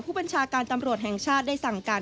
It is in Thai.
ผู้บัญชาการตำรวจแห่งชาติได้สั่งการ